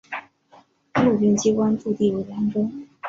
陆军机关驻地为兰州。